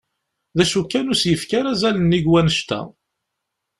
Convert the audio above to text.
D acu kan ur as-yefki ara azal nnig n wannect-a.